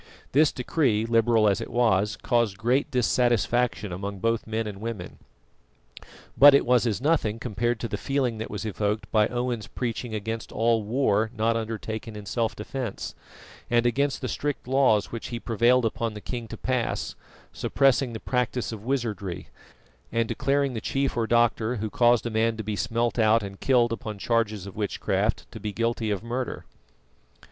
This decree, liberal as it was, caused great dissatisfaction among both men and women. But it was as nothing compared to the feeling that was evoked by Owen's preaching against all war not undertaken in self defence, and against the strict laws which he prevailed upon the king to pass, suppressing the practice of wizardry, and declaring the chief or doctor who caused a man to be "smelt out" and killed upon charges of witchcraft to be guilty of murder.